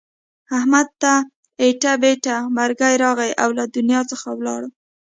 احمد ته ایټه بیټه مرگی راغی او له دنیا څخه ولاړو.